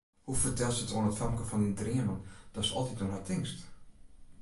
Hoe fertelst it oan it famke fan dyn dreamen, datst altyd oan har tinkst?